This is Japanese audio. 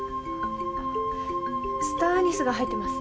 スターアニスが入ってます。